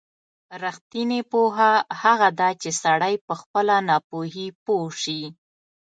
رښتینې پوهه هغه ده چې سړی په خپله ناپوهۍ پوه شي.